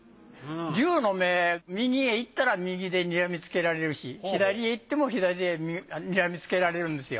龍の目右へ行ったら右でにらみつけられるし左へ行っても左でにらみつけられるんですよ。